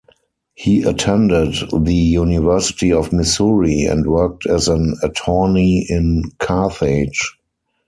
He attended the University of Missouri and worked as an attorney in Carthage.